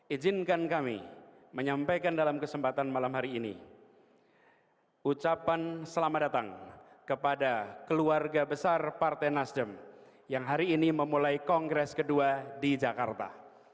ijinkan kami menyampaikan dalam kesempatan malam hari ini ucapan selamat datang kepada keluarga besar partai nasdem yang hari ini memulai kongres kedua di jakarta